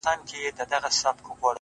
• زړه ته را تیري زما درنې خورکۍ,